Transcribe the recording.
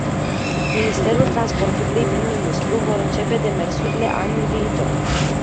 Ministerul Transportului prin ministru vor incepe demersurile anul viitor.